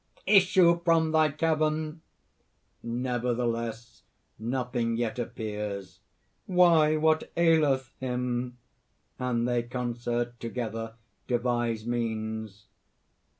come! issue from thy cavern!" (Nevertheless, nothing yet appears.) "Why? What aileth him?" (_And they concert together, devise means.